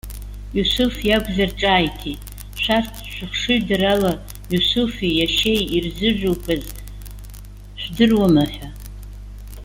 Иусуф иакәзар ҿааиҭит:- Шәарҭ, шәыхшыҩдара ала Иусуфи иашьеи ирзыжәуқәаз шәдыруама?- ҳәа.